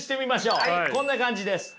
こんな感じです。